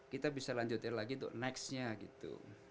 kita bisa lanjutin lagi untuk nextnya gitu